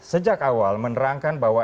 sejak awal menerangkan bahwa